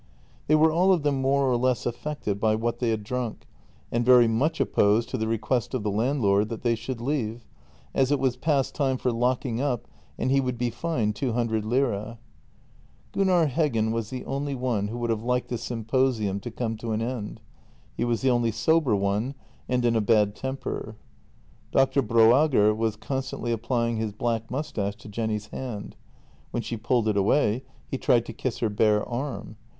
They were all of them more or less affected by what they had drunk, and very much opposed to the request of the landlord that they should leave, as it was past time for locking up and he would be fined two hundred lire. JENNY 2 57 Gunnar Heggen was the only one who would have liked the symposium to come to an end; he was the only sober one, and in a bad temper. Dr. Broager was constantly applying his black moustache to Jenny's hand; when she pulled it away he tried to kiss her bare arm.